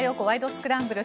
スクランブル」。